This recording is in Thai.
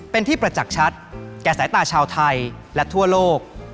เป็นที่ประจักษ์ชัดแก่สายตาชาวไทยและทั่วโลก